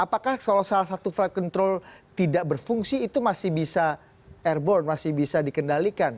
apakah kalau salah satu flight control tidak berfungsi itu masih bisa airborne masih bisa dikendalikan